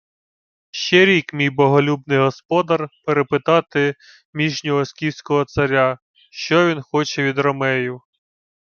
— Ще рік мій боголюбний господар перепитати міжнього скіфського царя, що він хоче від ромеїв.